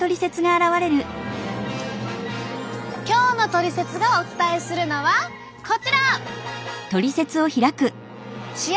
今日の「トリセツ」がお伝えするのはこちら！